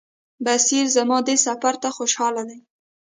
بصیر زما دې سفر ته خوشاله دی.